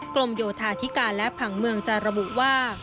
กรมโยธาธิการและผังเมืองจะระบุว่า